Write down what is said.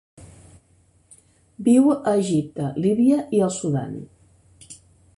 Viu a Egipte, Líbia i el Sudan.